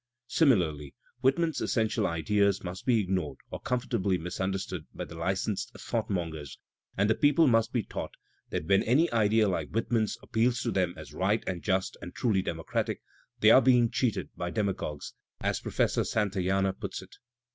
Similarly Whitman's essential ideas must be ignored or comfortably misunderstood by the licensed thought mongers, and the people must be taught that when any idea like Whitman's Digitized by Google 214 THE SPIRIT OP AMERICAN LITERATURE appeals to them as right and just and truly democratic, they are ^^ being cheated by demagogues," as Professor Santayana puts it.